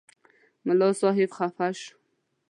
ملا صاحب خفه شو.